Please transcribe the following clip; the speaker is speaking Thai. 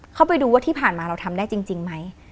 เข้าไปดูว่าที่ผ่านมาเราทำได้จริงไหม